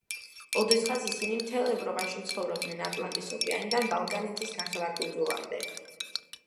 ოდესღაც ისინი მთელ ევროპაში ცხოვრობდნენ, ატლანტის ოკეანიდან ბალკანეთის ნახევარკუნძულამდე.